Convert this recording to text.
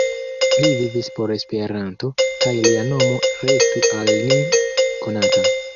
Li vivis por Esperanto, kaj lia nomo restu al ni konata!